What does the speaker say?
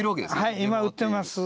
はい今売ってます。